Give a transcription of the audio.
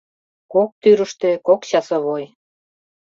Кок тӱрыштӧ кок часовой.